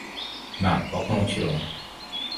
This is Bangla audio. না, কখনও ছিলোও না!